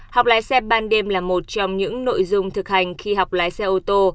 học lái xe ban đêm là một trong những nội dung thực hành khi học lái xe ô tô